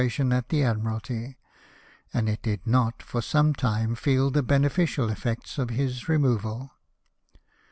81 tion at the Admiralty ; and it did not, for some time, feel the beneficial effect of his removal.